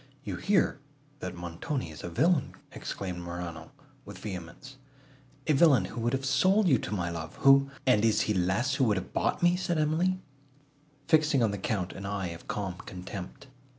"You hear, that Montoni is a villain," exclaimed Morano with vehemence,—"a villain who would have sold you to my love!—Who—" "And is he less, who would have bought me?" said Emily, fixing on the Count an eye of calm contempt.